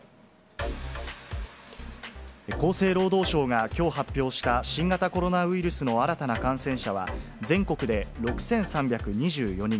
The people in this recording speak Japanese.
厚生労働省がきょう発表した新型コロナウイルスの新たな感染者は、全国で６３２４人。